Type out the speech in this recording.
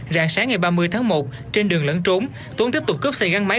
rạng sáng ngày ba mươi tháng một trên đường lẫn trốn tuấn tiếp tục cướp xe gắn máy